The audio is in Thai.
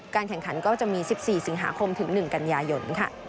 แข่งขันก็จะมี๑๔สิงหาคมถึง๑กันยายน